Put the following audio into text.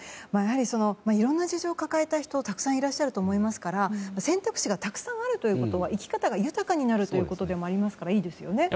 いろんな事情を抱えた人はたくさんいらっしゃると思いますから選択肢がたくさんあるということは生き方が豊かになるということですからいいですよね。